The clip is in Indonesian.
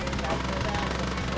maaf ongkosnya bisa dibayar sekarang